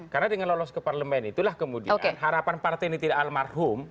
karena dengan lolos ke parlemen itulah kemudian harapan partai ini tidak almarhum